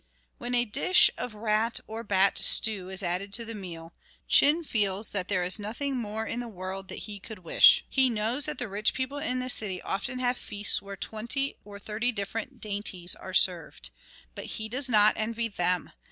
When a dish of rat or bat stew is added to the meal, Chin feels that there is nothing more in the world that he could wish. He knows that the rich people in the city often have feasts where twenty or thirty different dainties are served. But he does not envy them.